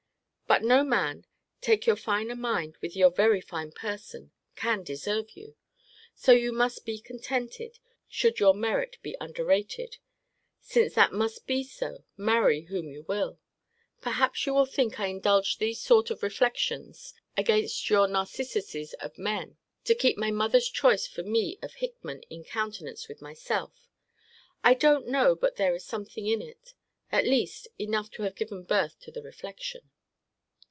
But no man, take your finer mind with your very fine person, can deserve you. So you must be contented, should your merit be underrated; since that must be so, marry whom you will. Perhaps you will think I indulge these sort of reflections against your Narcissus's of men, to keep my mother's choice for me of Hickman in countenance with myself I don't know but there is something in it; at least, enough to have given birth to the reflection.